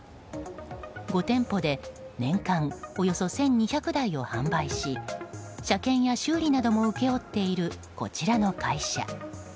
５店舗で年間およそ１２００台を販売し車検や修理なども請け負っているこちらの会社。